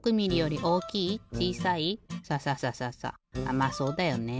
まあそうだよね。